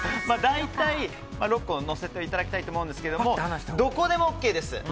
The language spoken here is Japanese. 大体６個載せていただきたいと思うんですがどこでもＯＫです。